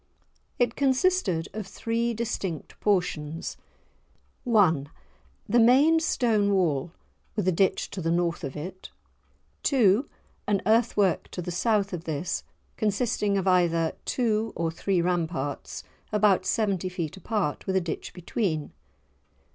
It consisted of three distinct portions:— 1. The main stone wall, with a ditch to the north of it. 2. An earth work to the south of this, consisting of either two or three ramparts about seventy feet apart, with a ditch between.